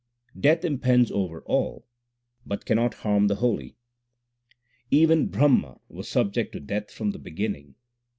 Death impends over all, but cannot harm the holy : Even Brahma was subject to death * from the beginning.